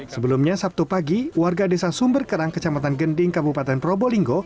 sebelumnya sabtu pagi warga desa sumberkerang kecamatan gending kabupaten probolinggo